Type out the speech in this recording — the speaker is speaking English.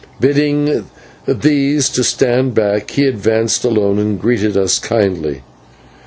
Bidding these to stand back, he advanced alone and greeted us kindly.